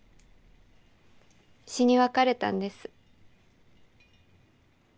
死に別れたんです。